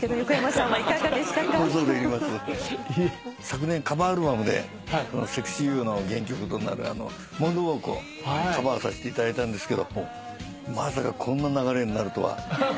昨年カバーアルバムでこの『セクシー・ユー』の原曲となる『モンロー・ウォーク』をカバーさせていただいたんですけどまさかこんな流れになるとは。